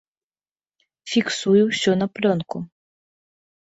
Фіксуе ўсё на плёнку.